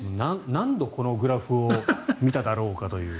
何度このグラフを見ただろうかという。